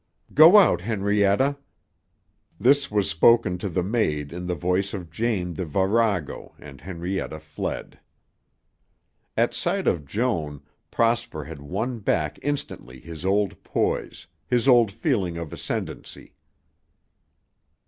"Go out, Henrietta." This was spoken to the maid in the voice of Jane the virago and Henrietta fled. At sight of Joan, Prosper had won back instantly his old poise, his old feeling of ascendancy.